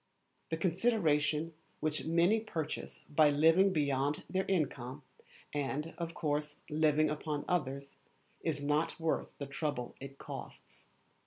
The consideration which many purchase by living beyond their income, and, of course, living upon others, is not worth the trouble it costs.